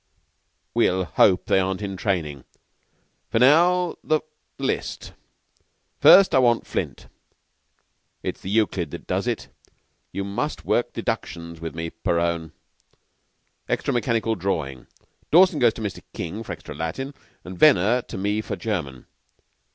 "We'll hope they aren't in training. Now for the list. First I want Flint. It's the Euclid that does it. You must work deductions with me. Perowne, extra mechanical drawing. Dawson goes to Mr. King for extra Latin, and Venner to me for German.